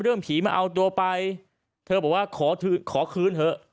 เรื่องผีมาเอาตัวไปเธอบอกว่าขอคืนเถอะ